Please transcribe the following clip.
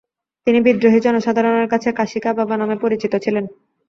তিনি বিদ্রোহী জনসাধারণের কাছে কাশীকা বাবা নামে পরিচিত ছিলেন।